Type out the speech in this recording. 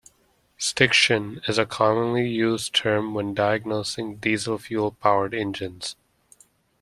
Stiction is a commonly used term when diagnosing diesel fuel powered engines.